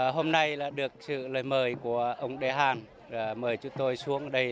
hôm nay được sự lời mời của ông ra han mời chúng tôi xuống đây